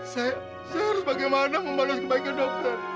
saya harus bagaimana membalas kebaikan dokter